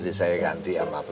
tunggu mana siapa